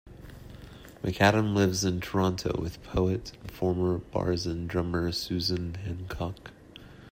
McAdam lives in Toronto with poet and former Barzin drummer, Suzanne Hancock.